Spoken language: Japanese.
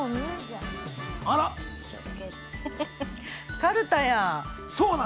かるたやん。